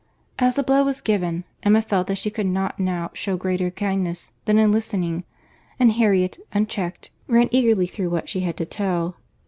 As the blow was given, Emma felt that she could not now shew greater kindness than in listening; and Harriet, unchecked, ran eagerly through what she had to tell.